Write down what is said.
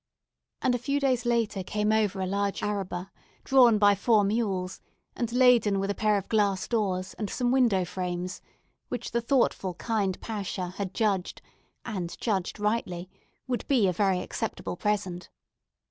And a few days later came over a large araba, drawn by four mules, and laden with a pair of glass doors, and some window frames, which the thoughtful kind Pacha had judged and judged rightly would be a very acceptable present.